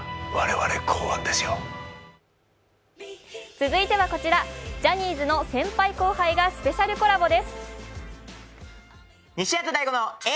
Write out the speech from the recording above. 続いてはこちら、ジャニーズの先輩後輩がスペシャルコラボです。